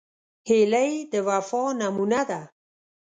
هیلۍ د وفا نمونه ده